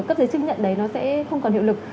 cấp giấy chứng nhận đấy nó sẽ không còn hiệu lực